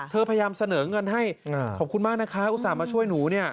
พยายามเสนอเงินให้ขอบคุณมากนะคะอุตส่าห์มาช่วยหนูเนี่ย